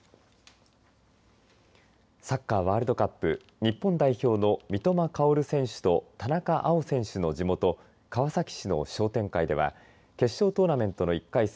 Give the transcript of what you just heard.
サッカーワールドカップ日本代表の三笘薫選手と田中碧選手の地元川崎市の商店会では決勝トーナメントの１回戦